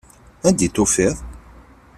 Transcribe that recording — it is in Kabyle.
Anda i ten-tufiḍ?